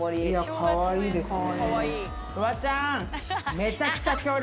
かわいいですね。